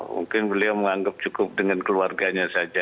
mungkin beliau menganggap cukup dengan keluarganya saja